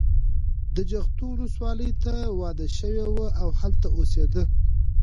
د جغتو ولسوالۍ ته واده شوې وه او هلته اوسېده.